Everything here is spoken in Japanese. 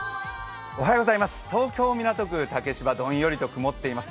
東京・港区竹芝、どんよりと曇っています